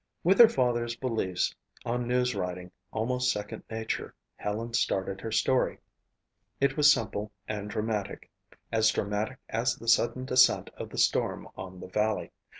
With her father's beliefs on news writing almost second nature, Helen started her story. It was simple and dramatic, as dramatic as the sudden descent of the storm on the valley.